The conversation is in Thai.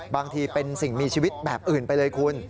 บางทีเป็นสิ่งมีชีวิตแบบอื่นไปเลยคุณ